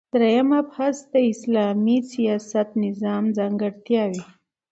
دریم مبحث : د اسلام د سیاسی نظام ځانګړتیاوی